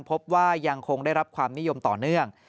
พบว่ายังคงได้รับความนิยมต่อเนื่อง